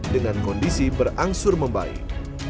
dengan kondisi berangsur membaik